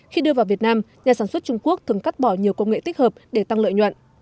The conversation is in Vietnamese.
khi đưa vào việt nam nhà sản xuất trung quốc thường cắt bỏ nhiều công nghệ tích hợp để tăng lợi nhuận